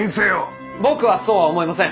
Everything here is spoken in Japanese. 僕はそうは思いません。